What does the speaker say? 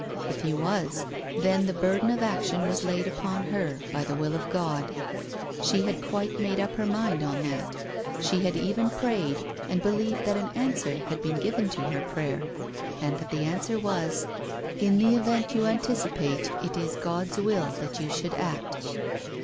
If he was, then the burden of action was laid upon her by the will of God. She had quite made up her mind on that. She had even prayed, and believed that an answer had been given to her prayer, and that the answer was —" In the event you anticipate it is God's will that you should act."